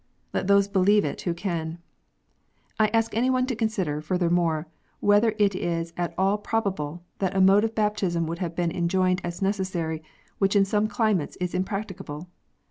Let those believe it who can. I ask any one to consider, furthermore, whether it is at all probable that a mode of baptism would have been enjoined as necessary, which in some climates is impracticable?